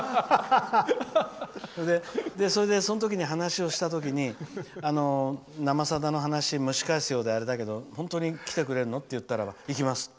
それで、その時に話した時に「生さだ」の話を蒸し返すようであれだけど本当に来てくれるの？って言ったらば、行きます。